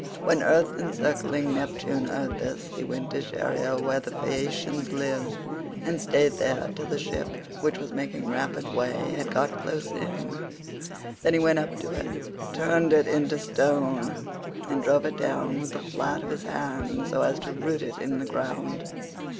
When earth encircling Neptune heard this he went to Scheria where the Phaeacians live, and stayed there till the ship, which was making rapid way, had got close in. Then he went up to it, turned it into stone, and drove it down with the flat of his hand so as to root it in the ground.